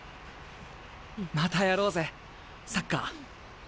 またやろうぜサッカー。